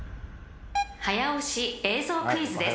［早押し映像クイズです］